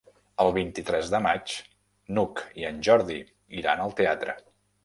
El vint-i-tres de maig n'Hug i en Jordi iran al teatre.